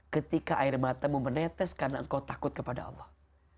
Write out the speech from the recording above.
ketika air matamu menetes karena engkau takut kepada allah